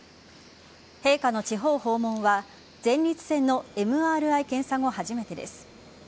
陛下の地方訪問は前立腺のＭＲＩ検査後初めてです。